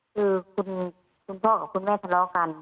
คือคุณพ่อกับคุณแม่ทะเลาะกัน